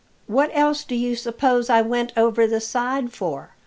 What else do you suppose I went over the side for?